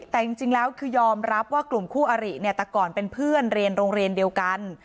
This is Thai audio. แต่จริงแล้วคือยอมรับว่ากลุ่มคู่อริเนี่ยแต่ก่อนเป็นเพื่อนเรียนโรงเรียนเดียวกัน